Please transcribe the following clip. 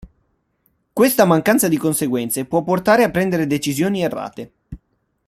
Questa mancanza di conseguenze può portare a prendere decisioni errate.